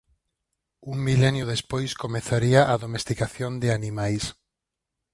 Un milenio despois comezaría a domesticación de animais.